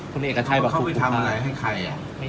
คุณเอกชายบอกถูกทำร้ายทางใครอยู่